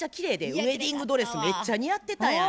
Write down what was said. ウエディングドレスめっちゃ似合ってたやん。